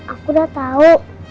aku udah tau